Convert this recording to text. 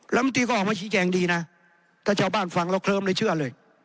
แล้วบางทีก็ออกมาชี้แจงดีนะท่าเจ้าบ้านฟังเราเคลิ้มเลยเชื่อเลย